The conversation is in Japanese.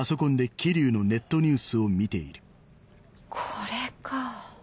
これか。